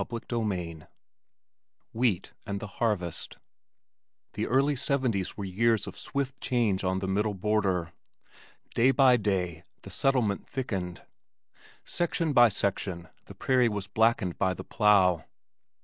CHAPTER XIV Wheat and the Harvest The early seventies were years of swift change on the Middle Border. Day by day the settlement thickened. Section by section the prairie was blackened by the plow.